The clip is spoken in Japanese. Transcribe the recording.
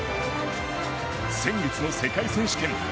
先月の世界選手権。